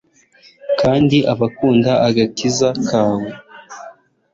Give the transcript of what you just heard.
kandi abakunda agakiza kawe